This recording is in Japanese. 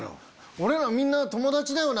俺らみんな友達だよな？